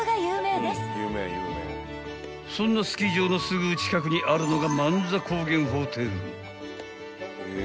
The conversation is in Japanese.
［そんなスキー場のすぐ近くにあるのが］